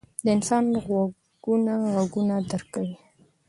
• د انسان غوږونه ږغونه درک کوي.